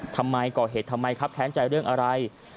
ทำไมก่อเหตุทำไมครับแค้นใจเรื่องอะไร